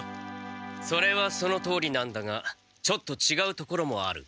それはそのとおりなんだがちょっとちがうところもある。